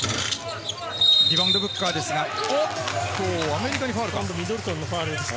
リバウンドブッカーですがアメリカにファウルか。